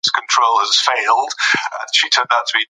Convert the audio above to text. پیاوړی حکومت باید ظالم نه وي.